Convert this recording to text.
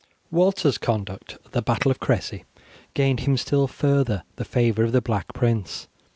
Walter's conduct at the battle of Cressy gained him still further the favour of the Black Prince.